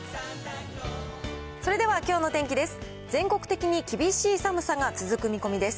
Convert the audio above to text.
それではきょうの天気です。